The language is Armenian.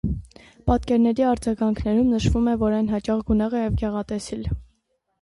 Պատկերների արձագանքներում նշվում է, որ այն հաճախ գունեղ է և գեղատեսիլ։